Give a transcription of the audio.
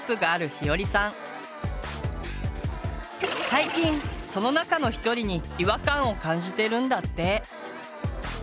最近その中の１人に違和感を感じてるんだって。